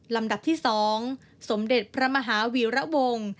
ลำดับที่๒สมเด็จพระมหาวีระวง